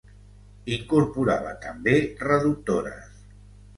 Incorporava també reductores.